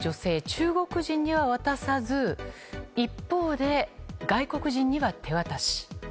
中国人には渡さず一方で、外国人には手渡し。